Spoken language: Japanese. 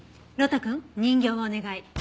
呂太くん人形をお願い。